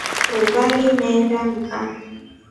Ruva limeenda ngʼaa.